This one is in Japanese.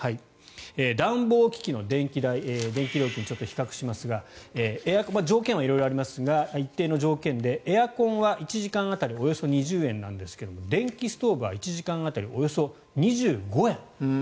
暖房機器の電気代電気料金を比較しますが条件は色々ありますが一定の条件でエアコンは１時間当たりおよそ２０円なんですが電気ストーブは１時間当たりおよそ２５円。